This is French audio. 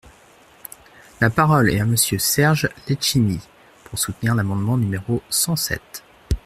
La parole est à Monsieur Serge Letchimy, pour soutenir l’amendement numéro cent sept.